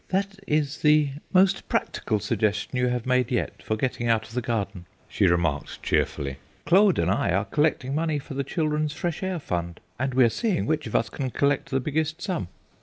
"That is the most practical suggestion you have made yet for getting out of the garden," she remarked cheerfully; "Claude and I are collecting money for the Children's Fresh Air Fund, and we are seeing which of us can collect the biggest sum."